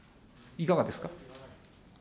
いかがですか。